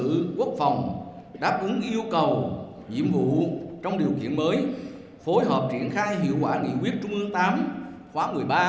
quân sự quốc phòng đáp ứng yêu cầu nhiệm vụ trong điều kiện mới phối hợp triển khai hiệu quả nghị quyết trung ương tám khóa một mươi ba